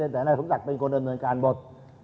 แต่นายสมศักดิ์เป็นคนดำเนินการหมด